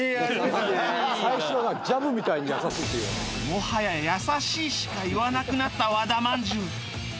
もはや「優しい」しか言わなくなった和田まんじゅう